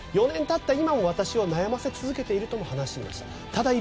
４年経った今も私を悩ませ続けていると話していました。